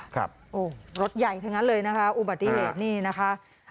โอ้โหรถใหญ่ทั้งนั้นเลยนะคะอุบัติเหตุนี่นะคะ